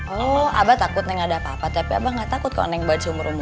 oh abah takut nengah ada apa apa tapi abah gak takut kalau neng baju umur